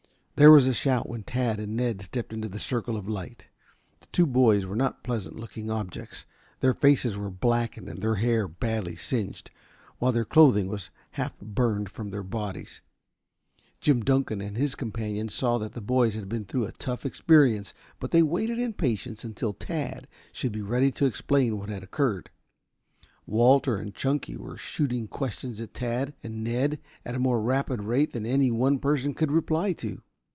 There was a shout when Tad and Ned stepped into the circle of light. The two boys were not pleasant looking objects. Their faces were blackened and their hair badly singed, while their clothing was half burned from their bodies. Jim Dunkan and his companions saw that the boys had been through a tough experience, but they waited in patience until Tad should be ready to explain what had occurred. Walter and Chunky were shooting questions at Tad and Ned at a more rapid rate than any one person could reply to.